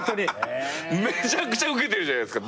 めちゃくちゃウケてるじゃないっすか。